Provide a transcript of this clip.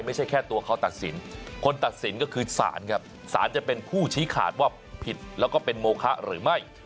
ไม่ใช่แค่ตัวเขาตัดสินคนตัดสินก็คือสารครับสารจะเป็นผู้ชี้ขาดว่าผิดแล้วก็เป็นโมคะหรือไม่